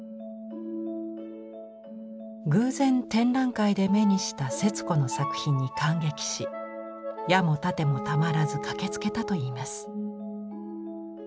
偶然展覧会で目にした節子の作品に感激し矢も盾もたまらず駆けつけたといいます。